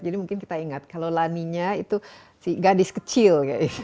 jadi mungkin kita ingat kalau lanina itu gadis kecil